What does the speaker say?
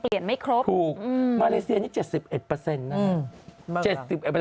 ๗๑เปอร์เซ็นต์